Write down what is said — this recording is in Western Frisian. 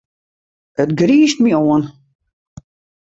It griist my oan.